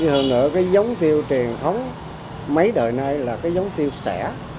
hơn nữa giống tiêu truyền thống mấy đời nay là giống tiêu sẻ